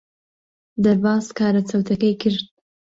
دەرباز کارە چەوتەکەی کرد.